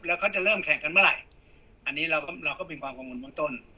แล้วเขาจะเริ่มแข่งกันเมื่อไหร่อันนี้เราก็เราก็มีความกังวลเบื้องต้น